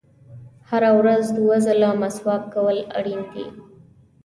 • هره ورځ دوه ځله مسواک کول اړین دي.